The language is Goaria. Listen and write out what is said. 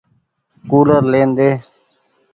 ڪولر لين ۮي۔